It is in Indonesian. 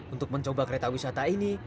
untuk mencoba kereta wisata ini